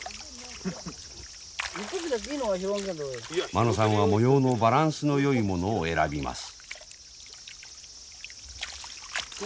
間野さんは模様のバランスのよいものを選びます。